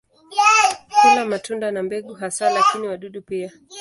Hula matunda na mbegu hasa, lakini wadudu pia.